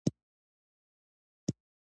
د افغانستان یووالی د بری راز دی